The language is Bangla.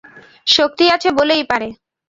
শক্তি আছে বলেই পারে।